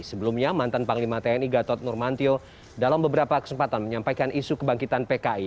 sebelumnya mantan panglima tni gatot nurmantio dalam beberapa kesempatan menyampaikan isu kebangkitan pki